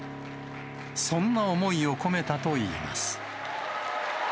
そんな思いを込めたといいます。